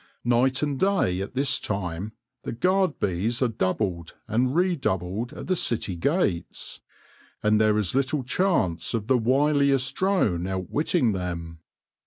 Night and day, at this time, the guard bees are doubled and re doubled at the city gates ; and there is little chance of the wiliest drone outwitting them.